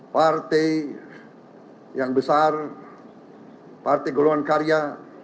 partai yang besar partai golongan karya